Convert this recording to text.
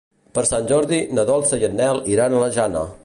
Per Sant Jordi na Dolça i en Nel iran a la Jana.